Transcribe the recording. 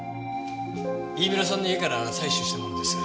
飯村さんの家から採取したものです。